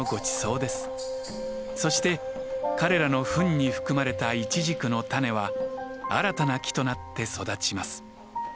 そして彼らの糞に含まれたイチジクの種は新たな木となって育ちます。